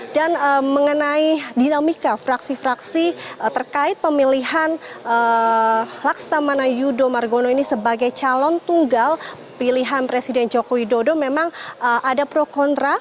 dan mengenai dinamika fraksi fraksi terkait pemilihan laksamana yudo margono ini sebagai calon tunggal pilihan presiden joko widodo memang ada pro kontra